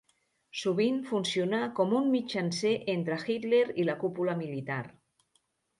Sovint funcionà com un mitjancer entre Hitler i la cúpula militar.